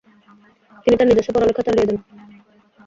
তিনি তার নিজস্ব পড়াশোনা চালিয়ে যান।